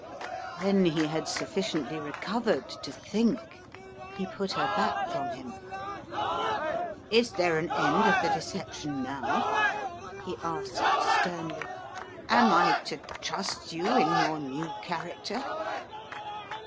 When he had sufficiently recovered to think he put her back from him. "Is there an end of the deception now?" he asked, sternly. "Am I to trust you in your new character?"